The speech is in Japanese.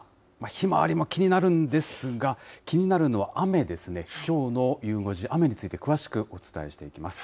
ひまわりも気になるんですが、気になるのは雨ですね、きょうのゆう５時、雨について詳しくお伝えしていきます。